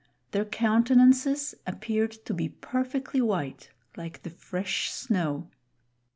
Their countenances appeared to be perfectly; white, like the fresh snow.